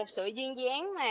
một sự duyên gián